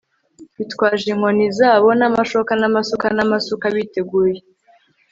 bitwaje inkoni zabo n'amashoka n'amasuka n'amasuka, biteguye